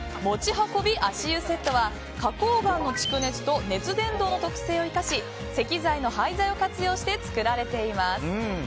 持ち運び足湯セットは花崗岩の蓄熱と熱伝導の特性を生かし石材の廃材を活用して作られています。